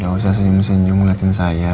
gak usah senyum senyum ngeliatin saya